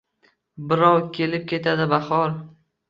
Birrov kelib ketadi bahor